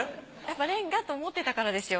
レンガと思ってたからですよ。